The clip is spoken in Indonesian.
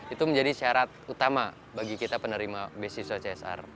itu menjadi syarat utama bagi kita penerima beasiswa csr